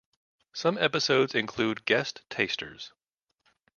Some episodes include guest tasters.